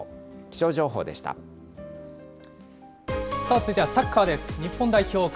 続いてはサッカーです。